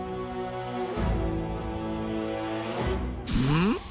うん？